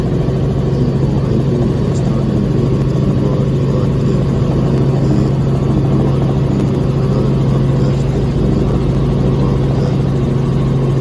کیکوں ائ دُوئ کوستانیں غیرِتیں بات پا تے فریدیں کیر ای دُعا کری اُوں خُدائ پاک تاۤس کہ تانی رحمِت مئ باگ داۤدہ